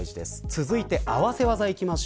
続いて合わせ技です。